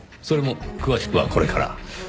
それも詳しくはこれから。